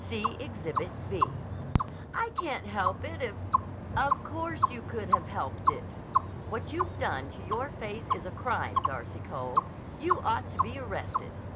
See Exhibit B." "I can't help it if—" "Of course you could have helped it! What you've done to your face is a crime, Darcy Cole! You ought to be arrested!